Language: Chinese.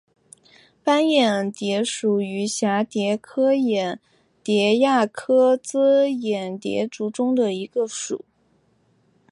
斑眼蝶属是蛱蝶科眼蝶亚科帻眼蝶族中的一个属。